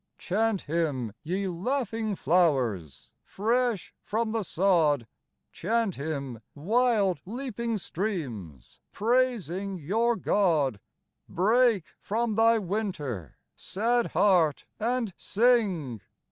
*37 Chant Him, ye laughing flowers, Fresh from the sod ; Chant Him, wild leaping streams, Praising your God ! Break from thy winter, Sad heart, and sing